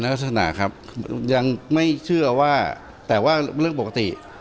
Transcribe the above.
ลักษณะครับยังไม่เชื่อว่าแต่ว่าเรื่องปกติ